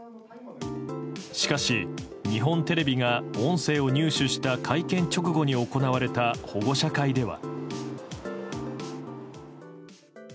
しかし、日本テレビが音声を入手した会見直後に行われた保護者会では。